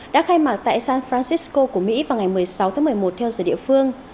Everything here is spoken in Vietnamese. đã khai mạc tại san francisco của mỹ vào ngày một mươi sáu tháng một mươi một theo giờ địa phương